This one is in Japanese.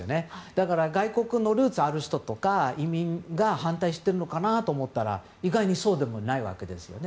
だから外国にルーツがある人とか移民が反対しているのかなと思ったら意外にそうでもないわけですよね。